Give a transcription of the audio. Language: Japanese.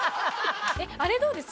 あれどうです？